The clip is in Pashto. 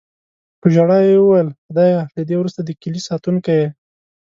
په ژړا یې وویل: "خدایه، له دې وروسته د کیلي ساتونکی یې".